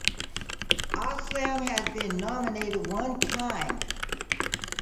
Aslam has been nominated one time.